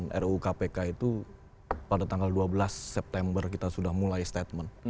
ru kpk itu pada tanggal dua belas september kita sudah mulai statement